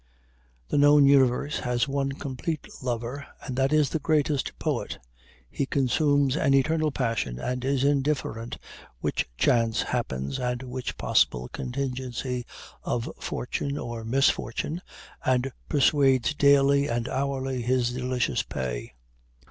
The known universe has one complete lover, and that is the greatest poet. He consumes an eternal passion, and is indifferent which chance happens, and which possible contingency of fortune or misfortune, and persuades daily and hourly his delicious pay.